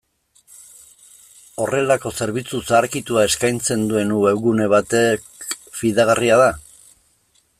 Horrelako zerbitzu zaharkitua eskaintzen duen webgune batek fidagarria da?